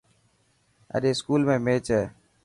اڄ اسڪول ۾ ميچ هي.